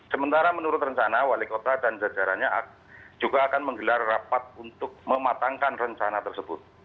sementara menurut rencana wali kota dan jajarannya juga akan menggelar rapat untuk mematangkan rencana tersebut